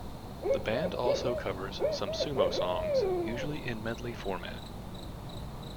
The band also covers some Sumo songs, usually in medley format.